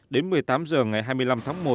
đến một mươi tám h ngày hai mươi năm tháng một